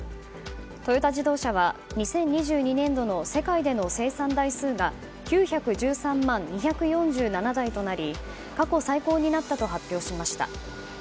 トヨタ自動車は２０２２年度の世界での生産台数が９１３万２４７台となり過去最高になったと発表しました。